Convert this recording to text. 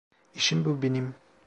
İşim bu benim.